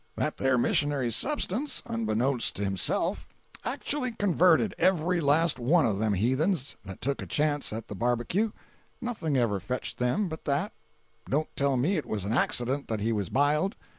That there missionary's substance, unbeknowns to himself, actu'ly converted every last one of them heathens that took a chance at the barbacue. Nothing ever fetched them but that. Don't tell me it was an accident that he was biled.